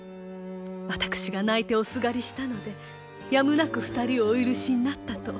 私が泣いておすがりしたのでやむなく２人をお許しになったと。